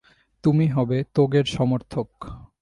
তুমি হবে তোগের সমর্থক।